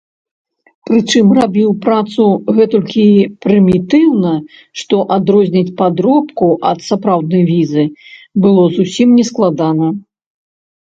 Прычым рабіў працу гэтулькі прымітыўна, што адрозніць падробку ад сапраўднай візы было зусім нескладана.